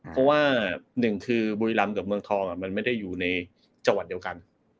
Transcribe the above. เพราะบุรรณ์แวกบเมืองทองอาจไม่อยู่ในจวันเดียวกัน